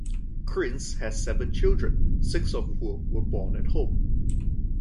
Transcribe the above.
Cryns has seven children, six of whom were born at home.